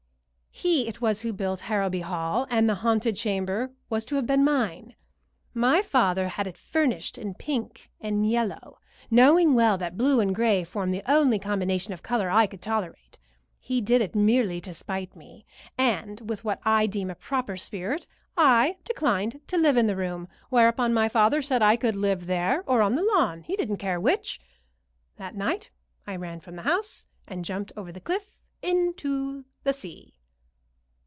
He it was who built Harrowby Hall, and the haunted chamber was to have been mine. My father had it furnished in pink and yellow, knowing well that blue and gray formed the only combination of color I could tolerate. He did it merely to spite me, and, with what I deem a proper spirit, I declined to live in the room; whereupon my father said I could live there or on the lawn, he didn't care which. That night I ran from the house and jumped over the cliff into the sea."